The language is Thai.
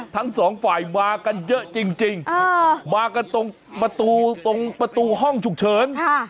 ทั้งสองฝ่ายมากันเยอะจริงมากันตรงประตูตรงประตูห้องฉุกเฉิน